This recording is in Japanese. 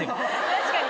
確かに。